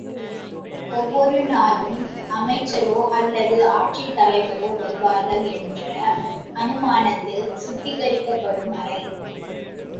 ஒவ்வொரு நாளும், அமைச்சரோ அல்லது ஆட்சித் தலைவரோ வருவார்கள் என்ற அனுமானத்தில் சுத்திகரிக்கப்படும் அறை.